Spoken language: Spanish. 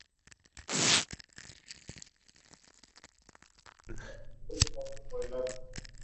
Los efectos de sonido iban asociados con las facultades de la nave.